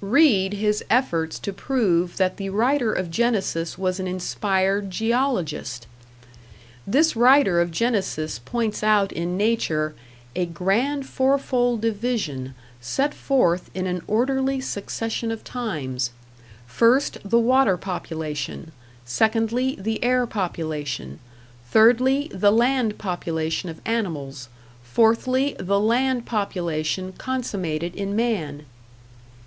Read his efforts to prove that the writer of Genesis was an inspired geologist! This writer of Genesis points out in Nature "a grand, fourfold division, set forth in an orderly succession of times: First, the water population; secondly, the air population; thirdly, the land population of animals; fourthly, the land population consummated in man."